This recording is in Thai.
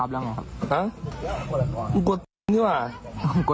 มึงอยู่สับอุทธิ์ไหมหรอ